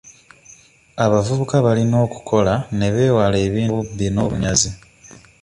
Abavubuka balina okukola ne beewala ebintu by'obubbi n'obunyazi.